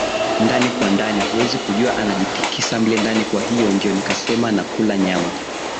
ndani kwa ndani Huwezi kujua anajitikisa mle ndani Kwahiyo ndio nikasema na kula nyama